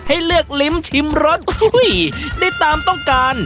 ให้เลือกลิ้มชิมรสได้ตามต้องการ